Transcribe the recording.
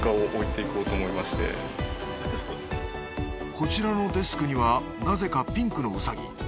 こちらのデスクにはなぜかピンクのウサギ。